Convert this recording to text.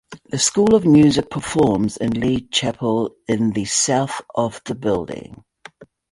The School of Music performs in Lee Chapel in the south of the building.